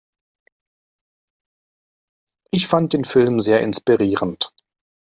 Ich fand den Film sehr inspirierend.